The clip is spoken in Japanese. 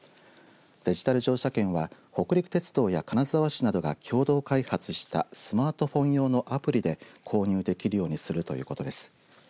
デジタル乗車券は北陸鉄道や金沢市などが共同開発したスマートフォン用のアプリで購入できるようにするということです。